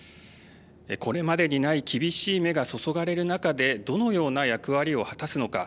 これまでにない厳しい目が注がれる中でどのような役割を果たすのか。